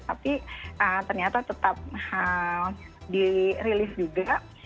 tapi ternyata tetap dirilis juga